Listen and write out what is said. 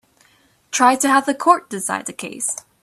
Try to have the court decide the case.